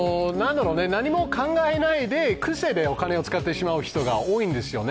何も考えないで、癖でお金を使ってしまう人が多いんですよね。